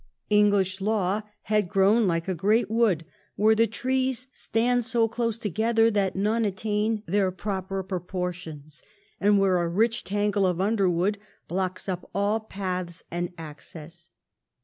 English law had grown like a great wood where the trees stand so close together that none attain their proper proportions, and where a rich tangle of underwood blocks up all paths and access.